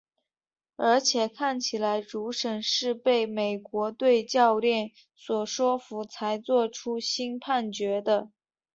而且看起来主审是被美国队教练所说服才做出新判决的。